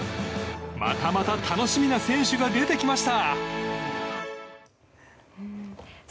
またまた楽しみな選手が出てきました。